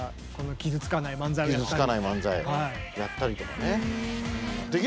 傷つかない漫才やったりとかね。